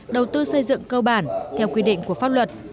đầu tư xây dựng cơ bản theo quy định của pháp luật